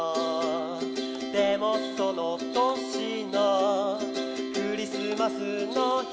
「でもその年のクリスマスの日」